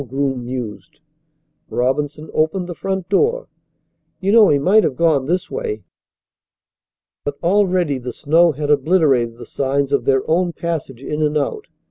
Groom mused. Robinson opened the front door. "You know he might have gone this way." But already the snow had obliterated the signs of their own passage in and out.